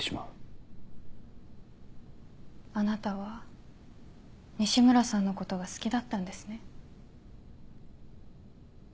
あなたは西村さんのことが好きだったんですね？